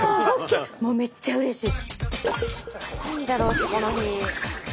もうめっちゃうれしい。